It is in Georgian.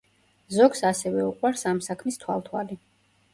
ზოგს ასევე უყვარს ამ საქმის თვალთვალი.